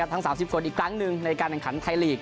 ทั้ง๓๐คนอีกครั้งหนึ่งในการแข่งขันไทยลีก